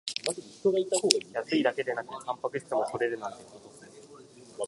安いだけでなくタンパク質も取れるなんてお得